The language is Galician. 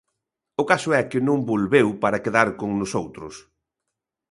O caso é que non volveu para quedar con nosoutros.